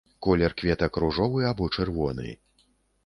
Колер кветак ружовы або чырвоны.